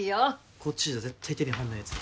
こっちじゃ絶対手に入んないやつだ